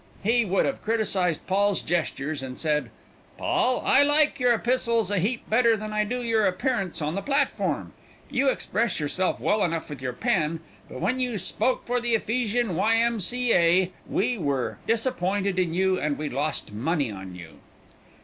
He would have criticised Paul's gestures, and said, 'Paul, I like your Epistles a heap better than I do your appearance on the platform. You express yourself well enough with your pen, but when you spoke for the Ephesian Y. M. C. A., we were disappointed in you and we lost money on you.'